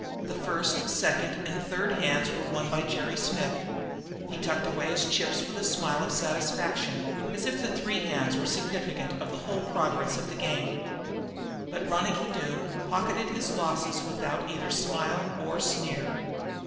The first, second, and third hands were won by Jerry Smith. He tucked away his chips with a smile of satisfaction, as if the three hands were significant of the whole progress of the game. But Ronicky Doone pocketed his losses without either smile or sneer.